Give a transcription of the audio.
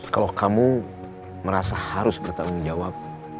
kalau kamu merasa harus bertanggung jawab